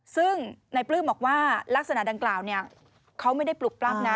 ซึ่งนายปลื้มบอกว่าลักษณะดังกล่าวเขาไม่ได้ปลุกปล้ำนะ